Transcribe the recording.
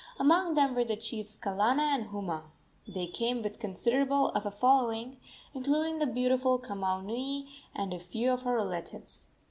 Among them were the chiefs Kalana and Huma. They came with considerable of a following, including the beautiful Kamaunui and a few of her relatives.